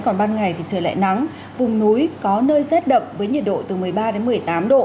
còn ban ngày thì trời lại nắng vùng núi có nơi rét đậm với nhiệt độ từ một mươi ba đến một mươi tám độ